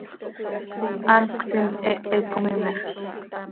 Hant cötiin, hehe com imexl.